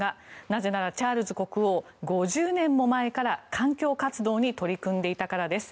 なぜならチャールズ国王５０年も前から環境活動に取り組んでいたからです。